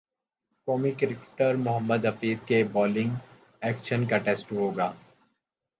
قومی کرکٹر محمد حفیظ کے bowling action کا ٹیسٹ ہو گا